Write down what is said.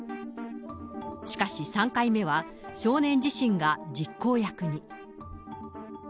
しかし３回目は、少年自身が実行役に。